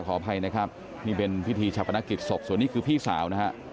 ขออภัยนะครับนี่เป็นพิธีชาปนกิจศพส่วนนี้คือพี่สาวนะฮะ